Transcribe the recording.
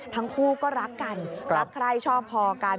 ทั้งคู่ก็รักกันรักใครชอบพอกัน